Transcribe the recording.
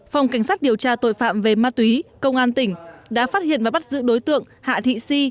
phòng cảnh sát điều tra tội phạm về ma túy công an tỉnh đã phát hiện và bắt giữ đối tượng hạ thị si